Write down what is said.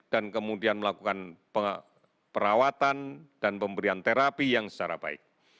dan kemudian melakukan perawatan dan pemberian terapi yang secara baik